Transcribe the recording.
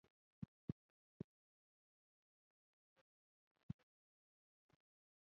خو نه زموږ په کمېټه کې د ډالرو درک لګېدو.